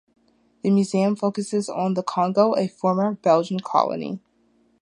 The museum focuses on the Congo, a former Belgian colony.